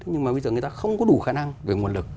nhưng mà bây giờ người ta không có đủ khả năng về nguồn lực